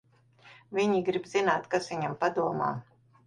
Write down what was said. Viņi grib zināt, kas viņam padomā.